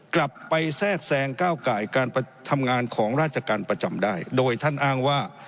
กลับไปแทรกแซงก้าวไก่การทำงานของราชการประจำได้โดยท่านอ้างว่า